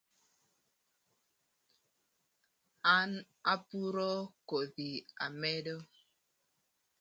An apuro kodhi amedo.